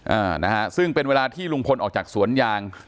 อ่านะฮะซึ่งเป็นเวลาที่ลุงพลออกจากสวนยาง